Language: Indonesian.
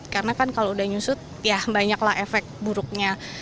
karena kan kalau udah nyusut ya banyaklah efek buruknya